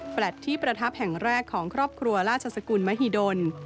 แลตที่ประทับแห่งแรกของครอบครัวราชสกุลมหิดล